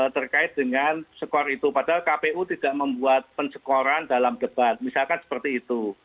terkait dengan skor itu padahal kpu tidak membuat pencekoran dalam debat misalkan seperti itu